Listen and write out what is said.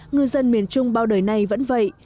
ngư dân miền trung bao đời này vẫn vậy